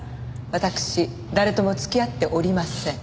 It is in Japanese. わたくし誰とも付き合っておりません。